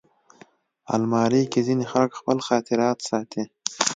الماري کې ځینې خلک خپل خاطرات ساتي